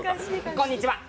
こんにちは。